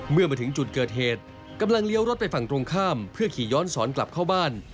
เมื่อมาถึงจุดเกิดเหตุกำลังเลี้ยวรถไปฝั่งตรงข้ามเพื่อขี่ย้อนสอนกลับเข้าบ้าน